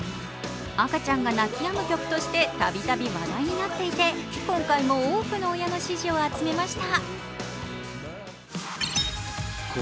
赤ちゃんが泣きやむ曲として、たびたび話題になっていて、今回も多くの親の支持を集めました。